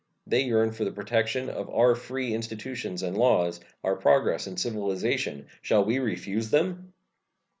They yearn for the protection of our free institutions and laws, our progress and civilization. Shall we refuse them?